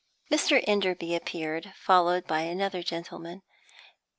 Mr. Enderby appeared, followed by another gentleman.